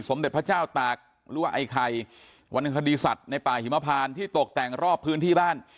เด็จพระเจ้าตากหรือว่าไอ้ไข่วรรณคดีสัตว์ในป่าหิมพานที่ตกแต่งรอบพื้นที่บ้าน